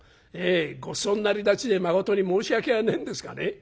ええごちそうになりだちでまことに申し訳がねえんですがね